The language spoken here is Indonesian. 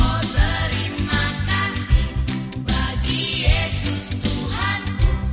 oh terima kasih bagi yesus tuhanmu